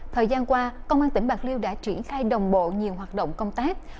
thời gian qua công an tỉnh bạc liêu đã triển khai đồng bộ nhiều hoạt động công tác